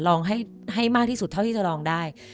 ลองให้มากที่สุดเท่าที่จะลองได้